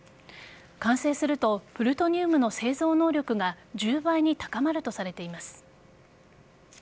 完成するとプルトニウムの製造能力が１０倍に高まるとされています。